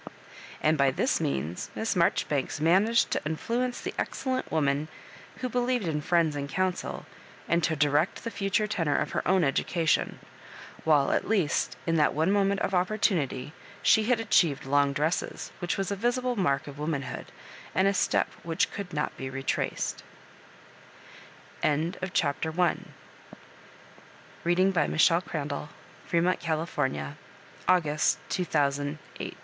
And by this means Miss Marjoribanks managed to influence the excellent woman who believed m " Friends in Council," and to direct the future tenor of her own education; while, at least, in that ODe moment of opportunity, she had achieved long drosses, wh^ch was a visible mark of wo manhood, and a stop which could not be re traced. CHAPTEE II. Dr. Mabjortbanes was so far from feeling the lack of his dau